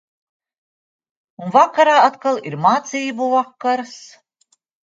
Un vakarā atkal ir mācību vakars.